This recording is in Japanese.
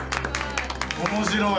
面白い！